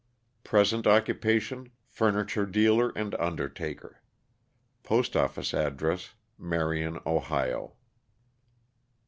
Present occupation, furniture dealer and undertaker. Postoffice address, Marion, Ohio.